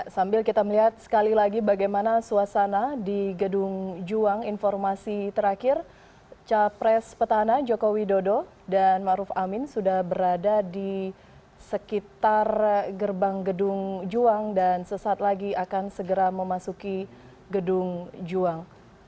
sambil kita melihat sekali lagi bagaimana suasana di gedung juang informasi terakhir capres petahana jokowi dodo dan ⁇ maruf ⁇ amin sudah berada di sekitar gerbang gedung juang dan sesaat lagi akan segera memasuki gedung juang